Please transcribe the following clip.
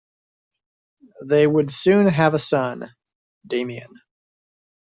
They would soon have a son, Damian.